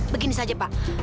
begini saja pak